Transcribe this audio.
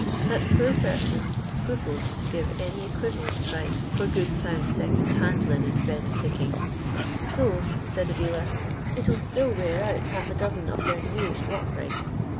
that poor persons scrupled to give any equivalent price for good sound second hand linen bed tick ing, " though," said a dealer, " it *11 still wear out half a doaen of their new slop rigs.